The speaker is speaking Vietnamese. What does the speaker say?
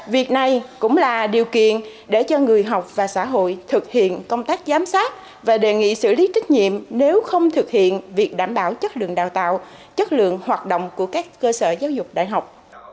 việc này cũng là điều kiện để cho người học và xã hội thực hiện công tác giám sát và đề nghị xử lý trách nhiệm nếu không thực hiện việc đảm bảo chất lượng đào tạo chất lượng hoạt động của các cơ sở giáo dục đại học